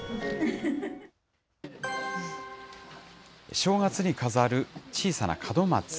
正月に飾る小さな門松。